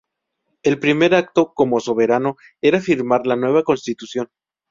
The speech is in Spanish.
El primer acto como soberano era firmar la nueva constitución.